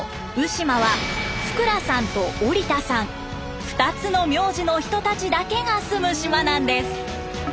鵜島は福羅さんとオリタさん２つの名字の人たちだけが住む島なんです。